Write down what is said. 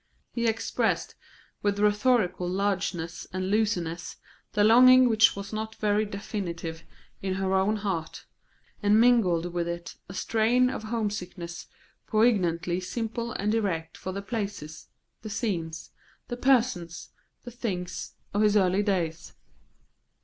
He expressed with rhetorical largeness and looseness the longing which was not very definite in her own heart, and mingled with it a strain of homesickness poignantly simple and direct for the places, the scenes, the persons, the things, of his early days.